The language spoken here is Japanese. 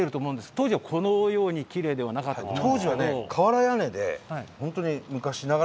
当時はこのようにきれいではなかったと。